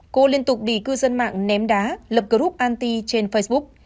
cô liên tục bị cư dân mạng ném đá lập group anty trên facebook